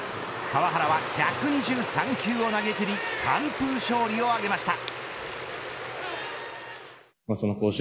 川原は１２３球を投げきり完封勝利を挙げました。